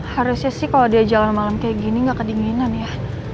harusnya sih kalau dia jalan malam kayak gini nggak kedinginan ya